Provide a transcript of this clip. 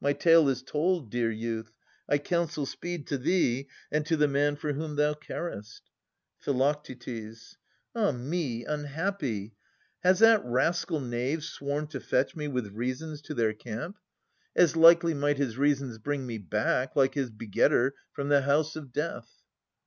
My tale is told, dear youth. I counsel speed To thee and to the man for whom thou carest. Phi. Ah me, unhappy ! has that rascal knave Sworn to fetch me with reasons to their camp ? 624 651] Philodetes 289 As likely might his reasons bring me back, Like his begetter, from the house of death.